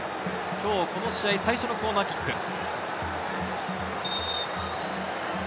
今日この試合最初のコーナーキック。